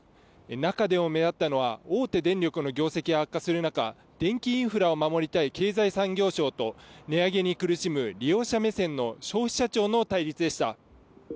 中でも目立ったのは大手電力の業績が悪化する中、電気インフラを守りたい経済産業省と値上げに苦しむ利用者目線の消費者庁の対立でした。